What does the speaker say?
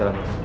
aku mau pergi